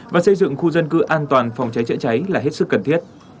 và xây dựng khu dân cư an toàn phòng cháy chữa cháy là hết sức cần thiết